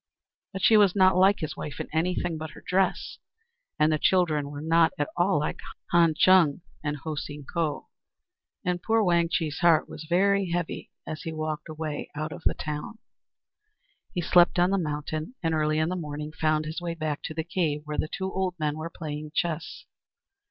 But she was not like his wife in anything but her dress, and the children were not at all like Han Chung and Ho Seen Ko; and poor Wang Chih's heart was very heavy as he walked away out of the town. He slept out on the mountain, and early in the morning found his way back to the cave where the two old men were playing chess.